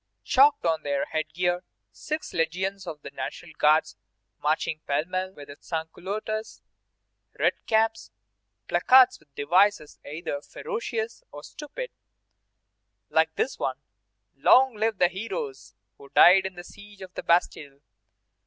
chalked on their head gear; six legions of National Guards marching pell mell with the sans culottes; red caps; placards with devices either ferocious or stupid, like this one: "Long live the heroes who died in the siege of the Bastille!"